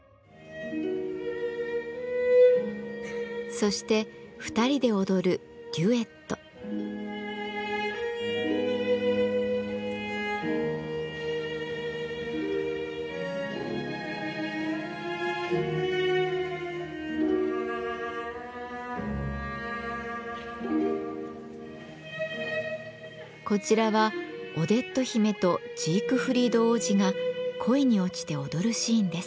そして２人で踊るこちらはオデット姫とジークフリード王子が恋に落ちて踊るシーンです。